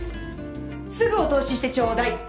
すぐお通ししてちょうだい。